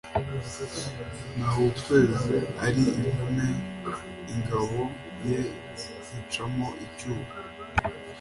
Nawukweze ari ingume ingabo ye nyicamo icyuho,